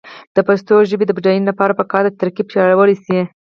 د پښتو ژبې د بډاینې لپاره پکار ده چې ترکیب پیاوړی شي.